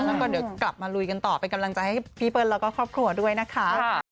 แล้วก็เดี๋ยวกลับมาลุยกันต่อเป็นกำลังใจให้พี่เปิ้ลแล้วก็ครอบครัวด้วยนะคะ